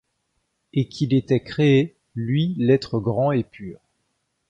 Et qu’il était créé, lui l’être grand et pur